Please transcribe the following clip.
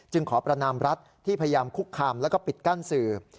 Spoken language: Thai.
ขอประนามรัฐที่พยายามคุกคามแล้วก็ปิดกั้นสื่อ